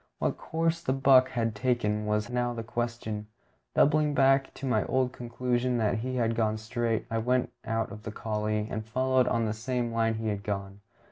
What course the buck had taken, was now the question. Doubling back to my old conclusion that he had gone straight, I went out of the coulée, and followed on the line he had gone.